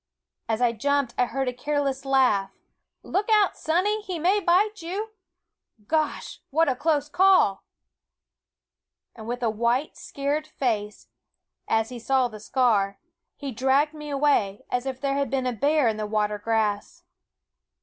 As I jumped I heard a careless laugh " Look out, Sonny, he may bite you Gosh ! what a close call I" And with a white, scared face, as he saw the scar, he dragged me away, as if there had been a bear in the water grass.